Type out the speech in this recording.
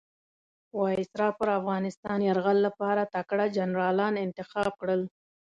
وایسرا پر افغانستان یرغل لپاره تکړه جنرالان انتخاب کړل.